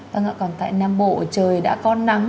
vâng ạ còn tại nam bộ trời đã có nắng